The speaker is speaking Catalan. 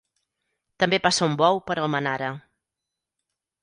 També passa un bou per Almenara!